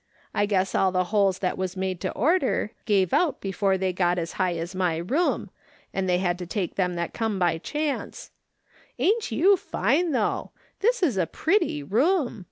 I guess all the holes that was made to order gave out before they got as high as my room, and they had to take them that come by chance. Ain't you fine, though ! This is a pretty room.